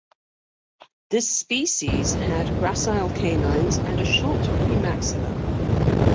This species had gracile canines and a short premaxilla.